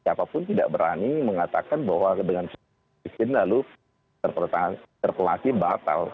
siapapun tidak berani mengatakan bahwa dengan miskin lalu interpelasi batal